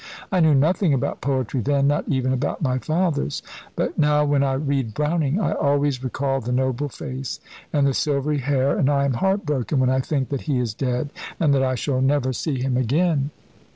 I knew nothing about poetry then, not even about my father's, but now when I read Browning, I always recall the noble face and the silvery hair, and I am heart broken when I think that he is dead, and that I shall never see him again."